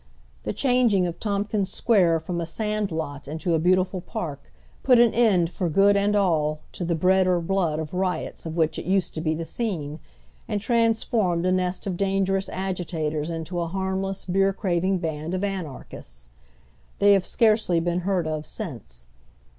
The changing of Tompkins Square from a sand lot into a beautiful park put an end for good and all to the "Bread or Blood" riots of which it used to be the scene, and ti ansformed a nest of dangerous agitators into a harmless, beer craving band of Anarchists, They have scarcely been heard of since.